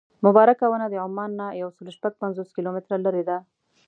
مبارکه ونه د عمان نه یو سل او شپږ پنځوس کیلومتره لرې ده.